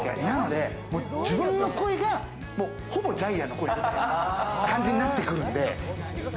なので自分の声がほぼジャイアンの声みたいな感じになってくるんで。